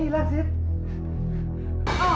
salah lu mau pdkt kan